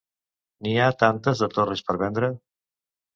N'hi ha tantes de torres per vendre